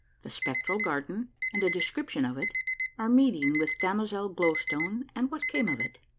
— THE SPECTRAL GARDEN, AND A DESCRIPTION OF IT. — OUR MEETING WITH DAMOZEL GLOW STONE, AND WHAT CAME OF IT.